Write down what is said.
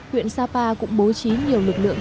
huyện sapa cũng bố trí nhiều lực lượng